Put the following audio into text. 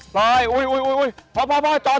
ปล่อยอุ๊ยพอจอด